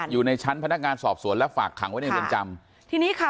อยู่ในชั้นพนักงานสอบสวนและฝากขังไว้ในเรือนจำทีนี้ค่ะ